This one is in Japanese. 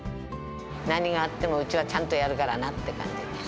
何があってもうちはちゃんとやるからなって感じです。